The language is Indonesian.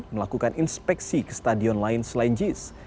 melakukan inspeksi ke stadion lain selain jis